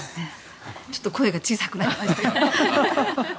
ちょっと声が小さくなっちゃいましたが。